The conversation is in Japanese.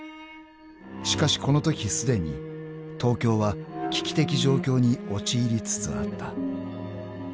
［しかしこのときすでに東京は危機的状況に陥りつつあった］